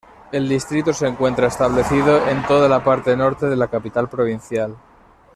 El Distrito se encuentra establecido en toda la parte norte de la capital provincial.